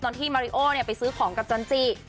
ที่มาริโอไปซื้อของกับจันจิ